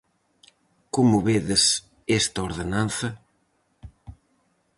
Como vedes esta ordenanza?